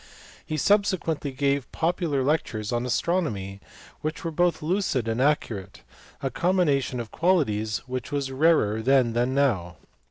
He subsequently gave popular lectures on astronomy which were both lucid and accurate, a combination of qualities which was rarer then than now.